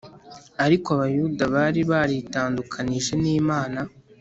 Ariko Abayuda bari baritandukanije n’Imana.